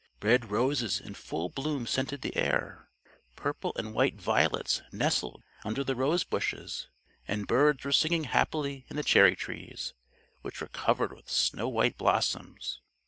Red roses in full bloom scented the air: purple and white violets nestled under the rose bushes, and birds were singing happily in the cherry trees, which were covered with snow white blossoms.